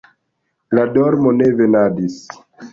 La dormo ne venadis.